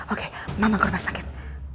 oke mama ke rumah sakit